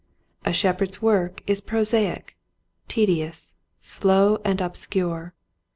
A shepherd's work is prosaic, tedi ous, slow and obscure.